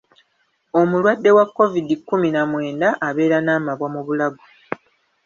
Omulwadde wa Kovidi kkumi na mwenda abeera n'amabwa mu bulago.